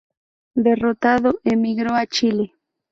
Derrotado, emigró a Chile.